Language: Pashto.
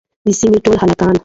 د سيمې ټول هلکان